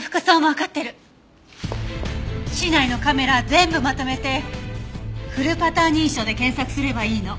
市内のカメラ全部まとめてフルパターン認証で検索すればいいの。